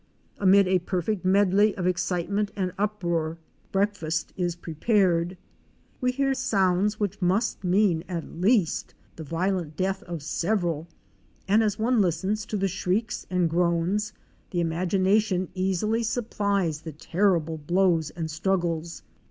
Amid a perfect medley of excitement and uproar, breakfast is prepared. We hear sounds which must mean at least the violent death of several, and as one listens to the shrieks and groans, the imagi nation easily supplies the terrible blows and struggles.